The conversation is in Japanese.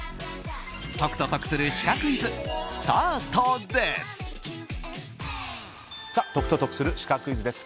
解くと得するシカクイズスタートです！